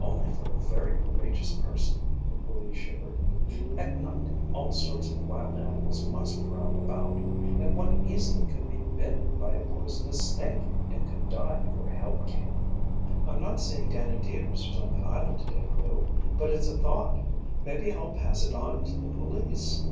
"Only for a very courageous person," Louise shivered. "At night, all sorts of wild animals must prowl about. And one easily could be bitten by a poisonous snake and could die before help came." "I'm not saying Danny Deevers was on the island today, Lou. But it's a thought. Maybe I'll pass it on to the police."